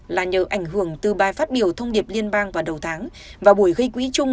là nhờ ảnh hưởng từ bài phát biểu thông điệp liên bang vào đầu tháng và buổi gây quỹ chung